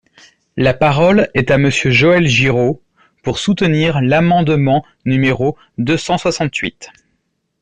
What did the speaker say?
La parole est à Monsieur Joël Giraud, pour soutenir l’amendement numéro deux cent soixante-huit.